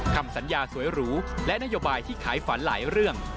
คำสัญญาสวยหรูและนโยบายที่ขายฝันหลายเรื่อง